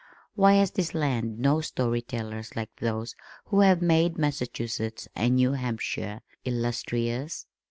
Why has this land no story tellers like those who have made Massachusetts and New Hampshire illustrious?"